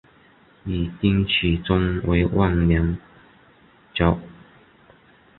与丁取忠为忘年交。